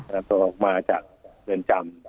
แล้วตัวออกมาจากเดินจำ